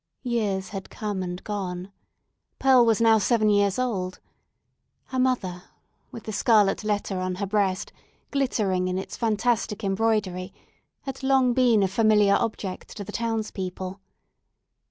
Years had come and gone. Pearl was now seven years old. Her mother, with the scarlet letter on her breast, glittering in its fantastic embroidery, had long been a familiar object to the townspeople.